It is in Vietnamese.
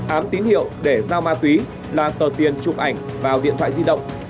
ám tín hiệu để giao ma túy là tờ tiền chụp ảnh vào điện thoại di động